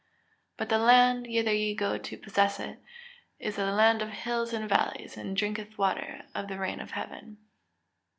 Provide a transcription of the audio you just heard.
[Verse: "But the land, whither ye go to possess it, is a land of hills and valleys, and drinketh water of the rain of heaven."